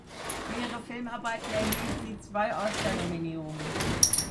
Für ihre Filmarbeiten erhielt sie zwei Oscarnominierungen.